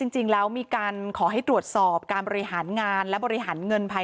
จริงแล้วมีการขอให้ตรวจสอบการบริหารงานและบริหารเงินภัย